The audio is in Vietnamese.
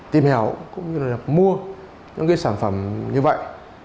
tìm hiểu cũng như là mua những cái sản phẩm như vậy